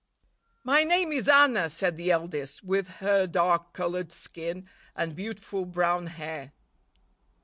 "My name is Anna," said the eldest, with her dark colored skin and beautiful brown hair.